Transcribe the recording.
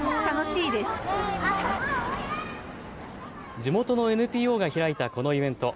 地元のＮＰＯが開いたこのイベント。